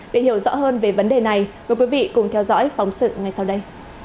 để hiểu rõ hơn về vấn đề này mời quý vị cùng theo dõi phóng sự ngay sau đây